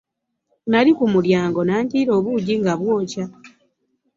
Nnali kumulyango nanjiira obujji nga bwookya.